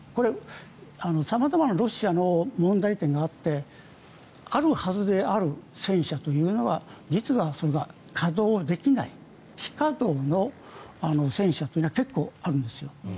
様々なロシアの問題点があってあるはずである戦車というのは実は稼働できない非稼働の戦車が結構あるんですよ。